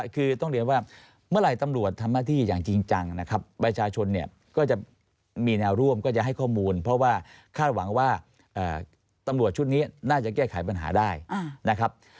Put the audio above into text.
คือต้องเรียนว่าเมื่อไหร่ตำรวจทำหน้าที่อย่างจริงจังนะครับประชาชนเนี่ยก็จะมีแนวร่วมก็จะให้ข้อมูลเพราะว่าคาดหวังว่าตำรวจชุดนี้น่าจะแก้ไขปัญหาได้นะครับ